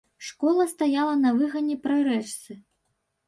Школа стаяла на выгане, пры рэчцы.